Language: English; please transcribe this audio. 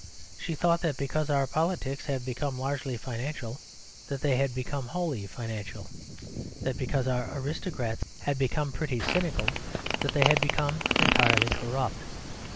She thought that because our politics have become largely financial that they had become wholly financial; that because our aristocrats had become pretty cynical that they had become entirely corrupt.